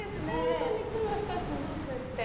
本当に雲ひとつなくて。